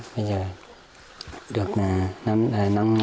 bây giờ được năm con trai vợ nó mới không đẻ nữa